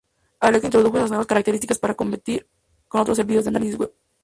Alexa introdujo estas nuevas características para competir con otros servicios de análisis web.